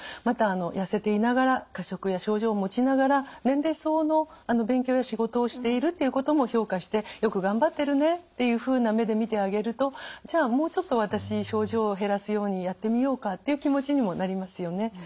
また痩せていながら過食や症状を持ちながら年齢相応の勉強や仕事をしているっていうことも評価してよく頑張ってるねっていうふうな目で見てあげるとじゃあもうちょっと私症状を減らすようにやってみようかっていう気持ちにもなりますよね。